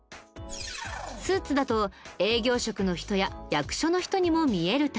スーツだと営業職の人や役所の人にも見えるため。